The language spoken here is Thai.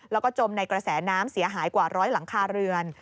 แล้วก็จมในกระแสน้ำเสียหายกว่าร้อยหลังคาเรือน